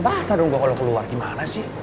basah dong gue kalau keluar gimana sih